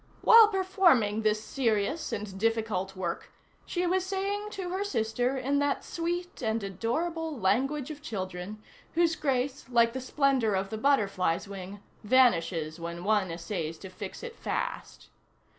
While performing this serious and difficult work she was saying to her sister in that sweet and adorable language of children, whose grace, like the splendor of the butterfly's wing, vanishes when one essays to fix it fast.